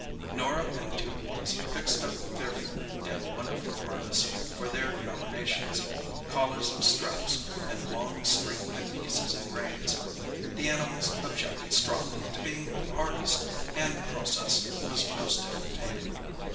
Norah and the two boys fixed up fearful and wonderful harness for their nominations—collars of straps, and long string headpieces and reins. The animals objected strongly to being harnessed, and the process was most entertaining.